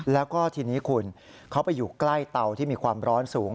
แล้วก็ทีนี้คุณเขาไปอยู่ใกล้เตาที่มีความร้อนสูง